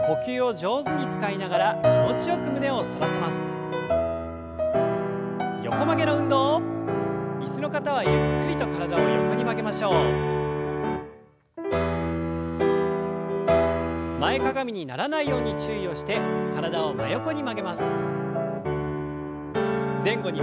前かがみにならないように注意をして体を真横に曲げます。